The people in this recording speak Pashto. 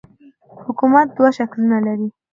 حکومت دوه شکلونه لري.